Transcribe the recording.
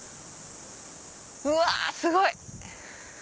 うわすごい！